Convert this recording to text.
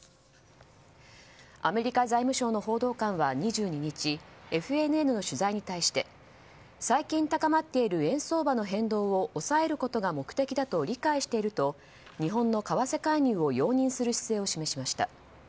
アメリカ財務省の報道官は２２日ＦＮＮの取材に対して最近高まっている円相場の変動を抑えることが目的だと理解していると日本の為替介入を容認する姿勢を示しました。